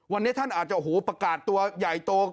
วันนี้ท่านอาจจะโอ้โหประกาศตัวใหญ่โต